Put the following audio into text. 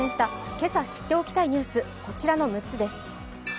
今朝知っておきたいニュースこちらの６つです。